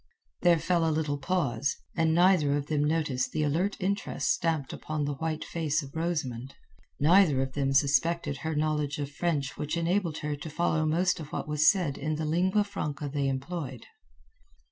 There fell a little pause, and neither of them noticed the alert interest stamped upon the white face of Rosamund. Neither of them suspected her knowledge of French which enabled her to follow most of what was said in the lingua franca they employed.